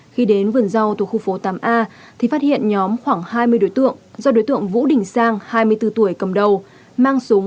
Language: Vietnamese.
khi đến vườn rau thuộc khu phố tám a thì phát hiện nhóm khoảng hai mươi đối tượng do đối tượng vũ đình sang hai mươi bốn tuổi cầm đầu mang súng